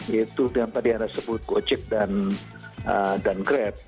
yaitu yang tadi anda sebut gojek dan grab